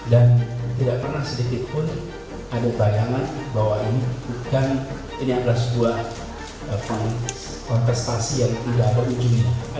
dan tidak pernah sedikitpun ada bayangan bahwa ini adalah sebuah kontestasi yang tidak ada ujungnya